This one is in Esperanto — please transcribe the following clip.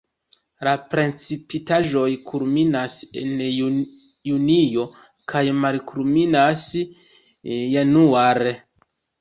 La precipitaĵoj kulminas en junio kaj malkulminas januare.